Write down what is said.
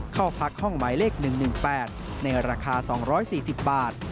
เข้าพักห้องหมายเลข๑๑๘ในราคา๒๔๐บาท